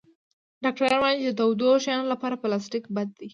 ډاکټران وایي چې د تودو شیانو لپاره پلاستيک بد دی.